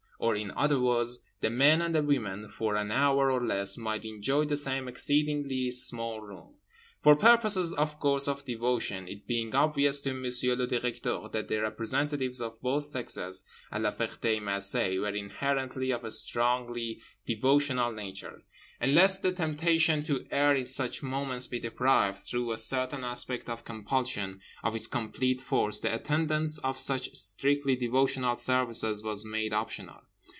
Or in other words, the men and the women for an hour or less might enjoy the same exceedingly small room; for purposes of course of devotion—it being obvious to Monsieur le Directeur that the representatives of both sexes at La Ferté Macé were inherently of a strongly devotional nature. And lest the temptation to err in such moments be deprived, through a certain aspect of compulsion, of its complete force, the attendance of such strictly devotional services was made optional.